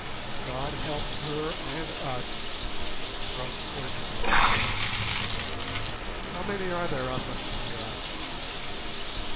"God help her and us!" groaned the clergyman. "How many are there of them?" I asked.